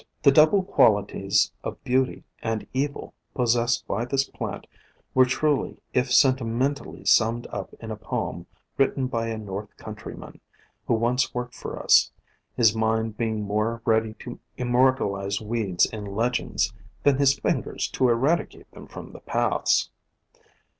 The double qualities of beauty and evil possessed by this plant were truly if sentimentally summed up in a poem written by a North countryman, who once worked for us, his mind being more ready to immortalize weeds in legends than his fingers to eradicate them from the paths.